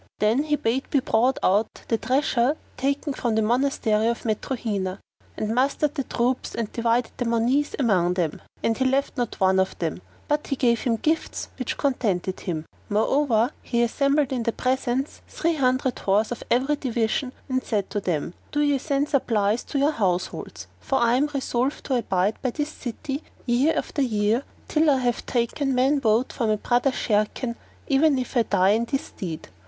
Then he bade be brought out the treasure taken from the Monastery of Matruhina; and mustered the troops and divided the monies among them, and he left not one of them but he gave him gifts which contented him. Moreover, he assembled in the presence three hundred horse of every division and said to them, "Do ye send supplies to your households, for I am resolved to abide by this city, year after year, till I have taken man bote for my brother Sharrkan, even if I die in this stead."